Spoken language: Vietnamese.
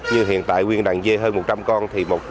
như hiện tại nguyên đàn dê hơn một trăm linh con